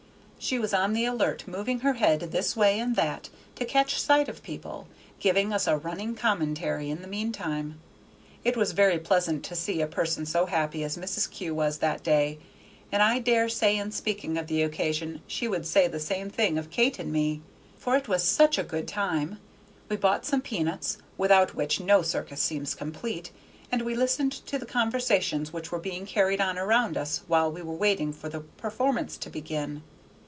She was on the alert, moving her head this way and that to catch sight of people, giving us a running commentary in the mean time. It was very pleasant to see a person so happy as Mrs. Kew was that day, and I dare say in speaking of the occasion she would say the same thing of Kate and me, for it was such a good time! We bought some peanuts, without which no circus seems complete, and we listened to the conversations which were being carried on around us while we were waiting for the performance to begin.